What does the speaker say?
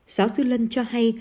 giáo sư lân cho hay